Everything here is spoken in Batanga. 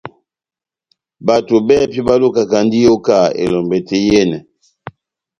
Bato bɛ́hɛ́pi balukakandini iyoka elombɛ tɛ́h yehenɛ.